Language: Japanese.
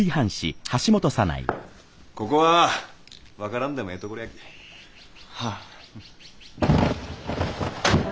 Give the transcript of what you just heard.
ここは分からんでもええところやき。